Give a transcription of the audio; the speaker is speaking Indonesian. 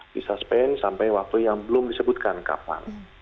disuspend sampai waktu yang belum disebutkan kapan